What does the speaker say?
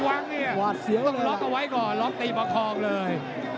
ต้องล็อคเอาไว้ก่อนล็อคตีประคองเลย